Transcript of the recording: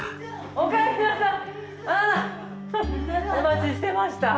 おかえりなさい。